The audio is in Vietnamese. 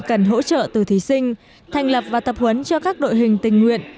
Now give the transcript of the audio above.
cần hỗ trợ từ thí sinh thành lập và tập huấn cho các đội hình tình nguyện